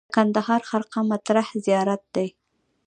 د کندهار خرقه مطهره زیارت دی